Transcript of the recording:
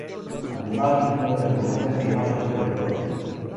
Además, es una de las compañías que más sufren de robo.